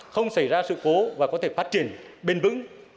không xảy ra sự cố và có thể phát triển bền vững